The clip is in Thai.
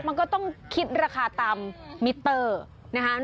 มันก็ต้องคิดราคาตามมิเตอร์นะคะ